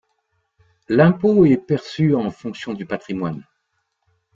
L'impôt est perçu en fonction du patrimoine.